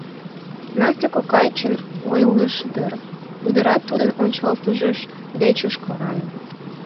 — Настя кокай чын ойлыш дыр, — ӱдырат тудын ончалтышыж деч ыш кораҥ.